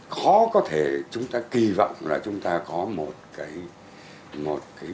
khó có thể chúng ta kỳ vọng là chúng ta có một cái